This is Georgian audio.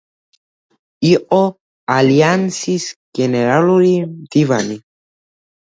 იყო ალიანსის გენერალური მდივანი.